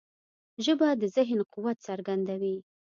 ژبه د ذهن قوت څرګندوي